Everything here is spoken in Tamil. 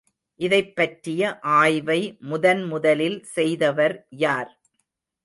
இதைப் பற்றிய ஆய்வை முதன்முதலில் செய்தவர் யார்?